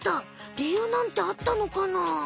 りゆうなんてあったのかな？